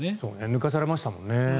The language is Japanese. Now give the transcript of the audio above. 抜かされましたもんね。